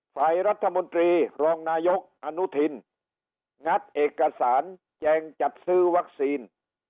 ฝ่ายรัฐมนตรีรองนายกอนุทินงัดเอกสารแจงจัดซื้อวัคซีน